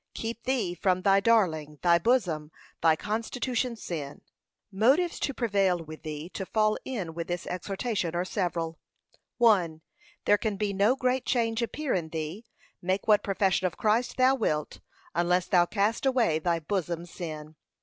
Keep thee from thy darling, thy bosom, thy constitution sin. Motives to prevail with thee to fall in with this exhortation, are several. 1. There can no great change appear in thee, make what profession of Christ thou wilt, unless thou cast away thy bosom sin.